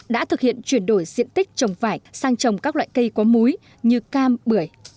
đã thực hiện chuyển đổi diện tích trồng vải sang trồng các loại cây có múi như cam bưởi